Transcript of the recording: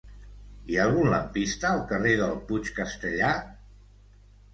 Hi ha algun lampista al carrer del Puig Castellar?